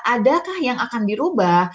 adakah yang akan dirubah